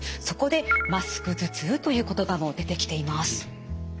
そこでマスク頭痛という言葉も出てきています。